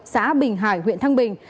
xã bình hải huyện thăng bình